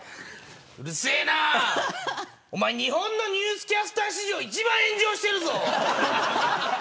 うるせーな、おまえ日本のニュースキャスター史上一番炎上してるぞ。